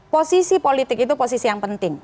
posisi politik itu posisi yang penting